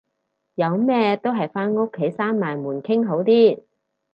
有咩都係返屋企閂埋門傾好啲